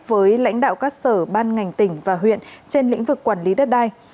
với lãnh đạo các sở ban ngành tỉnh và huyện trên lĩnh vực quản lý đất đai